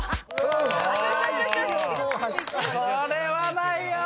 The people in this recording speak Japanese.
これはないよ。